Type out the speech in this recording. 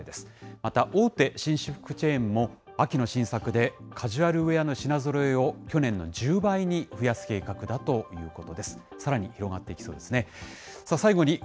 また大手紳士服チェーンも、秋の新作でカジュアルウエアの品ぞろえを去年の１０倍に増やす計画だということです。